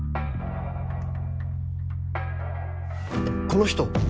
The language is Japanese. この人。